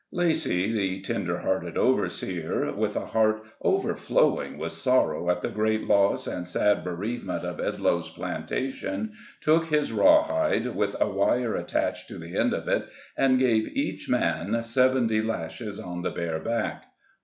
Lacy, the tender hearted overseer, with a heart overflowing with sorrow at the great loss and sad bereavement of Edloe's plantation, took his rawhide, with a wire attached to the end of it, and gave each man twenty lashes on the bare back.